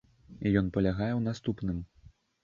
Ён палягае ў наступным.